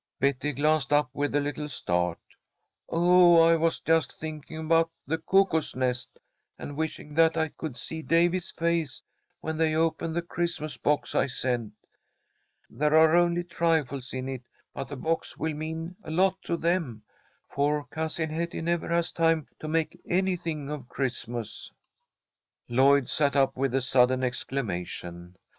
Betty glanced up with a little start. "Oh, I was just thinking about the Cuckoo's Nest, and wishing that I could see Davy's face when they open the Christmas box I sent. There are only trifles in it, but the box will mean a lot to them, for Cousin Hetty never has time to make anything of Christmas." Lloyd sat up with a sudden exclamation.